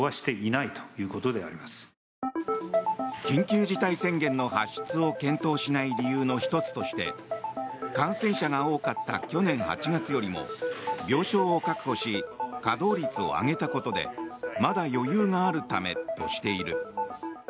緊急事態宣言の発出を検討しない理由の１つとして感染者が多かった去年８月よりも病床を確保し稼働率を上げたことでまだ余裕があるためとしている。